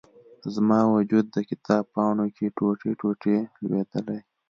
زما و جود، د کتاب پاڼو کې، ټوټي، ټوټي لویدلي